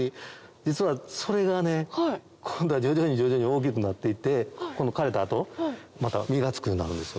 実はそれがね今度は徐々に徐々に大きくなっていって枯れた後また実がつくようになるんですよ。